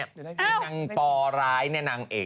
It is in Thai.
สามีตัวเองก็ไปหุ่นวัยกับคนอื่น